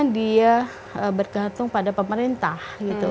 dia bergantung pada pemerintah